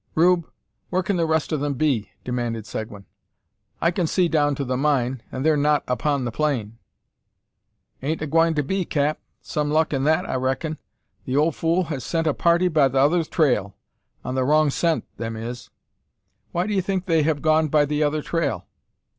"Rube, where can the rest of them be?" demanded Seguin; "I can see down to the mine, and they are not upon the plain." "Ain't a gwine to be, cap. Some luck in that, I reckin. The ole fool has sent a party by t'other trail. On the wrong scent them is." "Why do you think they have gone by the other trail?"